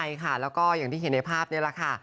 ใช่ค่ะแล้วก็อย่างที่เห็นในภาพนี้แหละค่ะ